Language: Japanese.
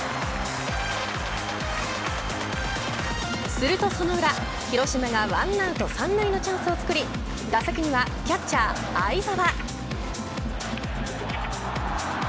するとその裏広島が１アウト三塁のチャンスを作り打席にはキャッチャー會澤。